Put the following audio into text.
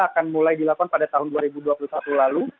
akan mulai dilakukan pada tahun dua ribu dua puluh satu lalu